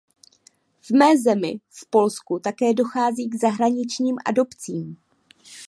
V mé zemi, v Polsku, také dochází k zahraničním adopcím.